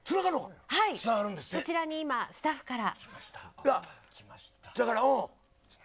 こちらに今スタッフから。